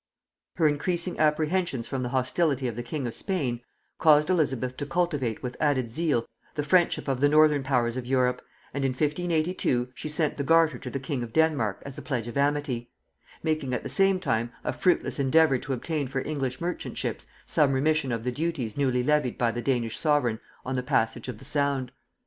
Her increasing apprehensions from the hostility of the king of Spain, caused Elizabeth to cultivate with added zeal the friendship of the northern powers of Europe, and in 1582 she sent the garter to the king of Denmark as a pledge of amity; making at the same time a fruitless endeavour to obtain for English merchant ships some remission of the duties newly levied by the Danish sovereign on the passage of the Sound.